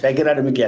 saya kira demikian